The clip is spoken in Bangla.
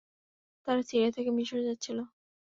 তারা সিরিয়া থেকে মিসরে যাচ্ছিল।